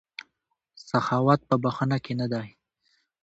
سخاوت په بښنه کې نه دی.